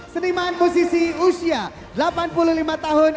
seniman musisi usia delapan puluh lima tahun